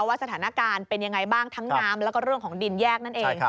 สถานการณ์เป็นยังไงบ้างทั้งน้ำแล้วก็เรื่องของดินแยกนั่นเอง